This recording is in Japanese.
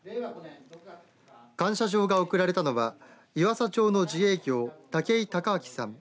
感謝状が贈られたのは湯浅町の自営業、竹井孝顕さん